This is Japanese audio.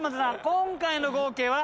今回の合計は。